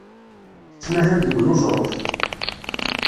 Tettmahal deg uneẓruf.